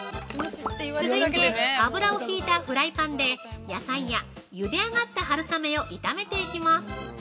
続いて、油の引いたフライパンで野菜や、ゆで上がった春雨を炒めていきます。